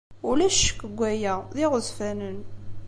Ulac ccekk deg waya. D iɣezfanen.